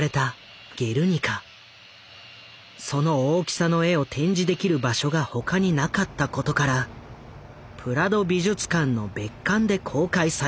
その大きさの絵を展示できる場所が他になかったことからプラド美術館の別館で公開されることになる。